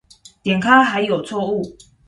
點開還有錯誤